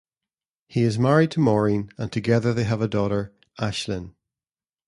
He is married to Maureen and together they have a daughter, Aislinn.